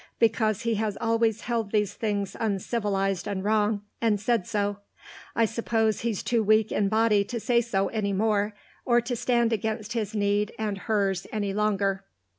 Because he has always held these things uncivilised and wrong, and said so. I suppose he's too weak in body to say so any more, or to stand against his need and hers any longer.